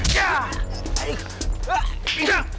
kok berhenti sih